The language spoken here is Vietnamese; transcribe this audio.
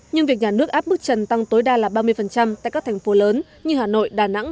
nhưng việc nhà nước áp bức trần tăng tối đa là ba mươi tại các thành phố lớn như hà nội đà nẵng